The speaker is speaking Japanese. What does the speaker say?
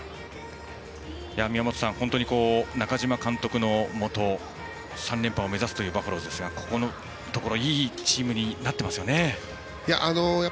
宮本さん、中嶋監督のもと３連覇を目指すバファローズですがここのところいいチームになっていますね。